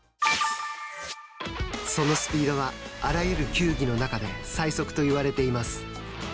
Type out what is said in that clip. そのスピードはあらゆる球技の中で最速といわれています。